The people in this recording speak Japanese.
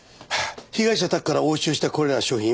被害者宅から押収したこれらの商品